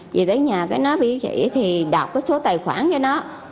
về tới nhà cái nó biết chị thì đọc cái số tài khoản cho nó